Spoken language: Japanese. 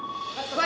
はい！